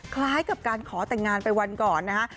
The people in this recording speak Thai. คล้ายกับการขอแต่งงานไปวันก่อนนะฮะ